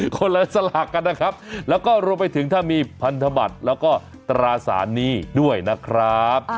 คนละสลากกันนะครับแล้วก็รวมไปถึงถ้ามีพันธบัตรแล้วก็ตราสารหนี้ด้วยนะครับ